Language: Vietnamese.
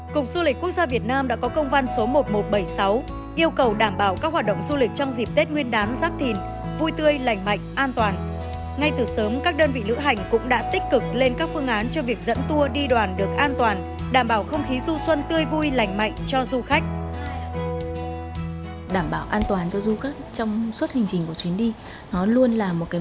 cục du lịch quốc gia việt nam đã có công văn số một nghìn một trăm bảy mươi sáu yêu cầu đảm bảo các hoạt động du lịch trong dịp tết nguyên đán giáp thìn